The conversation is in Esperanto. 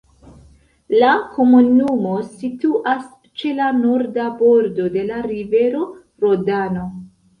La komunumo situas ĉe la norda bordo de la rivero Rodano.